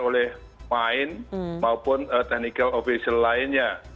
oleh main maupun teknikal official lainnya